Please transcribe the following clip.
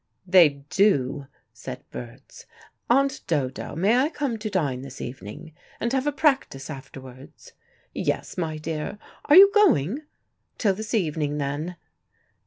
"They do," said Berts. "Aunt Dodo, may I come to dine this evening, and have a practice afterwards?" "Yes, my dear. Are you going? Till this evening then."